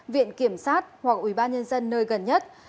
viện kiểm sát hoặc ủy ban nhân dân nơi gần nhất